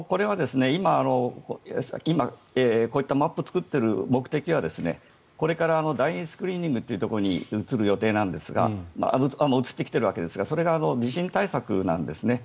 今、こういったマップを作っている目的はこれから第２次スクリーニングというのに移ってきているわけですがそれが地震対策なんですね。